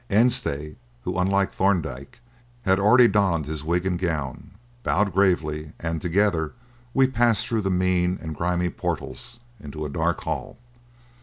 Anstey, who, unlike Thorndyke, had already donned his wig and gown, bowed gravely, and, together, we passed through the mean and grimy portals into a dark hall.